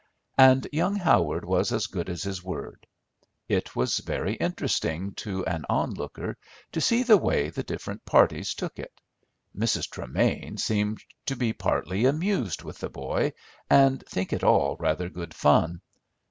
And young Howard was as good as his word. It was very interesting to an onlooker to see the way the different parties took it. Mrs. Tremain seemed to be partly amused with the boy, and think it all rather good fun.